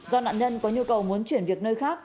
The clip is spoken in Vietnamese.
do nạn nhân có nhu cầu muốn chuyển việc nơi khác